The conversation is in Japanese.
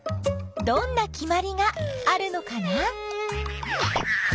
どんなきまりがあるのかな？